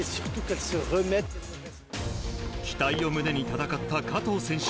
期待を胸に戦った加藤選手。